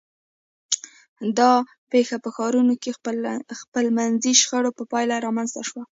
دا پېښه په ښارونو کې خپلمنځي شخړو په پایله رامنځته شوه.